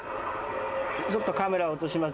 ちょっとカメラを落とします。